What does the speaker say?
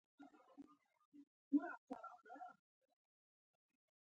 د فکرونو لړۍ مې په سلام وشلېده.